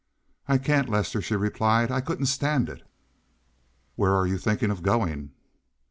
"I can't, Lester," she replied. "I couldn't stand it." "Where are you thinking of going?"